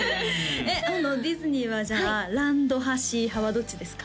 ディズニーはじゃあランド派シー派はどっちですか？